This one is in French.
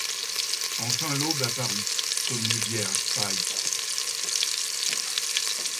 Enfin l'aube apparut comme une vierge pâle